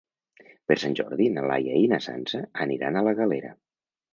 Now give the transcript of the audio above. Per Sant Jordi na Laia i na Sança aniran a la Galera.